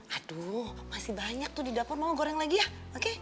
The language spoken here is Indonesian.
aduh masih banyak tuh di dapur mau goreng lagi ya oke